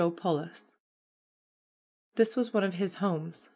Polis This was one of his homes.